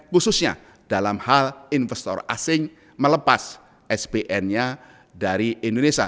khususnya dalam hal investor asing melepas spn nya dari indonesia